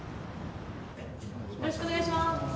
よろしくお願いします。